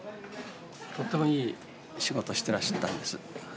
とってもいい仕事をしてらしたんです。